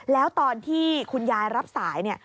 แล้วตอนที่คุณยายรับสายเนี่ย